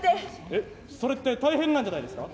えっそれって大変なんじゃないですか？